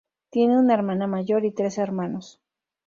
Tiene una hermana mayor y tres hermanos.